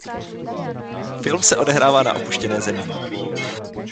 Film se odehrává na opuštěné Zemi.